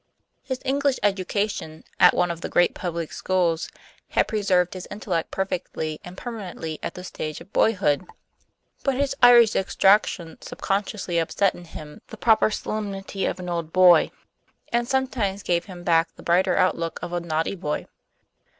His English education, at one of the great public schools, had preserved his intellect perfectly and permanently at the stage of boyhood. But his Irish extraction subconsciously upset in him the proper solemnity of an old boy, and sometimes gave him back the brighter outlook of a naughty boy.